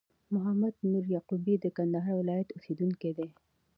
محمد نور یعقوبی د کندهار ولایت اوسېدونکی دي